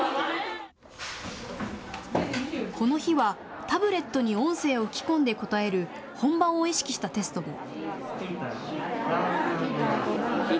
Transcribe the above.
この日はタブレットに音声を吹き込んで答える本番を意識したテストも。